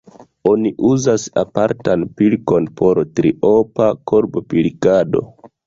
Oni uzas apartan pilkon por triopa korbopilkado.